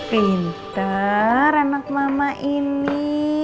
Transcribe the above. pintar anak mama ini